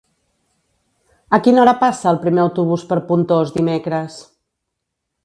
A quina hora passa el primer autobús per Pontós dimecres?